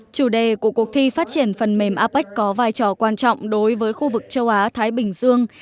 chủ đề của cuộc thi phát triển phần mềm apec có vai trò quan trọng đối với khu vực châu á thái bình dương